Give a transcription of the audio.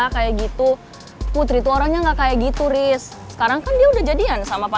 kenapa gue harus kepo